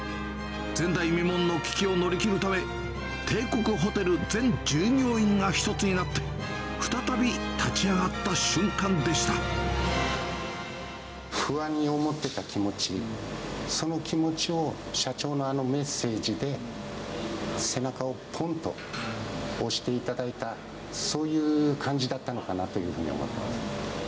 前代未聞の危機を乗り切るため、帝国ホテル全従業員が一つになって、不安に思ってた気持ち、その気持ちを社長のあのメッセージで、背中をぽんっと押していただいた、そういう感じだったのかなというふうに思っております。